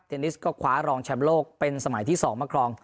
นิสก็คว้ารองแชมป์โลกเป็นสมัยที่๒มาครอง